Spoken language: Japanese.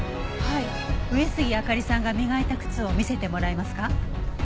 上杉明里さんが磨いた靴を見せてもらえますか？